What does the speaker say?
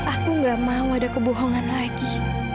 aku gak mau ada kebohongan lagi